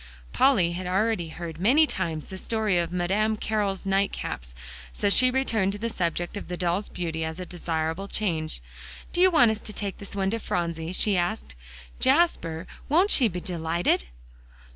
Polly had already heard many times the story of Madame Carroll's night caps, so she returned to the subject of the doll's beauty as a desirable change. "Do you want us to take this to Phronsie?" she asked. "Jasper, won't she be delighted?"